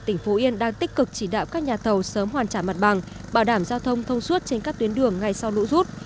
tỉnh phú yên đang tích cực chỉ đạo các nhà thầu sớm hoàn trả mặt bằng bảo đảm giao thông thông suốt trên các tuyến đường ngay sau lũ rút